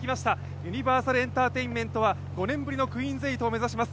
ユニバーサルエンターテインメントは５年ぶりのクイーンズ８を目指します。